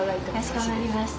かしこまりました。